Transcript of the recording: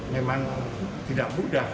memang tidak mudah